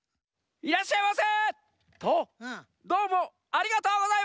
いらっしゃいませ！